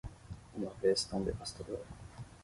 Uma vez tão devastador